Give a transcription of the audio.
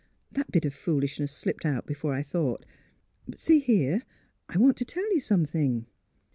'' That bit of foolishness slipped out before I thought. But — see here; I want to tell you something."